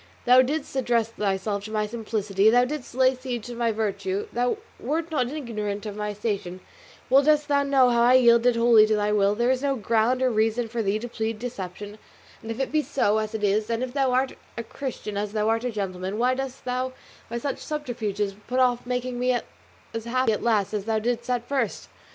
Thou didst address thyself to my simplicity, thou didst lay siege to my virtue, thou wert not ignorant of my station, well dost thou know how I yielded wholly to thy will; there is no ground or reason for thee to plead deception, and if it be so, as it is, and if thou art a Christian as thou art a gentleman, why dost thou by such subterfuges put off making me as happy at last as thou didst at first?